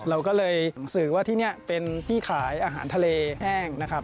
เราก็เลยหนังสือว่าที่นี่เป็นที่ขายอาหารทะเลแห้งนะครับ